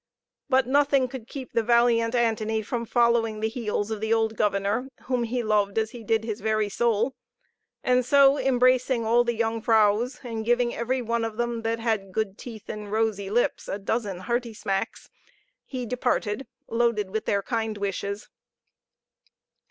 But nothing could keep the valiant Antony from following the heels of the old governor, whom he loved as he did his very soul: so embracing all the young vrouws, and giving every one of them, that had good teeth and rosy lips, a dozen hearty smacks, he departed, loaded with their kind wishes.